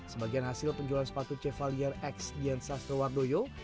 sebagian hasil penjualan sepatu cefalier x dian sastro wardoyo